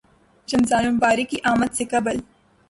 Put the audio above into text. رمضان المبارک کی آمد سے قبل